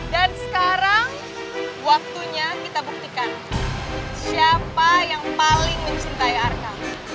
dan sekarang waktunya kita buktikan siapa yang paling mencintai arka